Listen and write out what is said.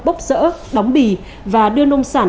bốc rỡ đóng bì và đưa nông sản